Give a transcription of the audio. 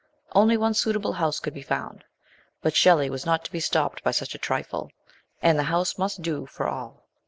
Only one suitable house could be found ; but Shelley was not to be stopped by such a trifle, and the house must do for all.